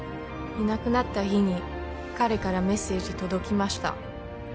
いなくなった日に彼からメッセージ届きました